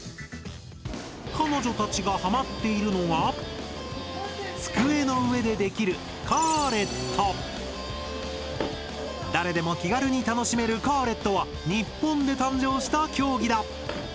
彼女たちがハマっているのは机の上でできる誰でも気軽に楽しめる「カーレット」は日本で誕生した競技だ。